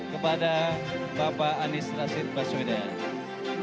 kepada bapak anies rasid baswiden